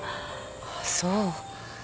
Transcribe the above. あっそう。